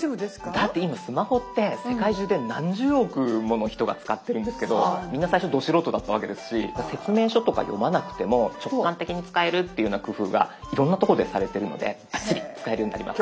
だって今スマホって世界中で何十億もの人が使ってるんですけどみんな最初ど素人だったわけですし説明書とか読まなくても直感的に使えるっていうような工夫がいろいろなとこでされてるのでバッチリ使えるようになります。